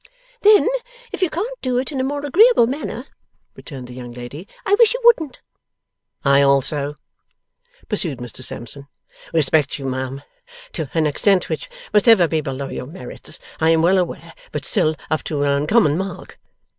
'Then if you can't do it in a more agreeable manner,' returned the young lady, 'I wish you wouldn't.' 'I also,' pursued Mr Sampson, 'respect you, ma'am, to an extent which must ever be below your merits, I am well aware, but still up to an uncommon mark.